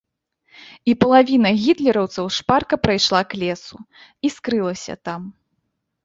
І палавіна гітлераўцаў шпарка прайшла к лесу і скрылася там.